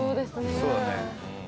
そうだね。